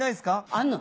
あんの。